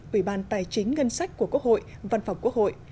ủy ban tài chính ngân sách của quốc hội văn phòng quốc hội